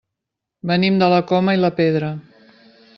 Venim de la Coma i la Pedra.